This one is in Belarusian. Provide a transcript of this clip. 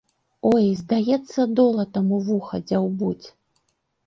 Ой, здаецца, долатам у вуха дзяўбуць.